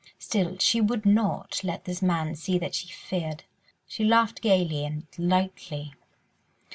Still she would not let this man see that she feared; she laughed gaily and lightly.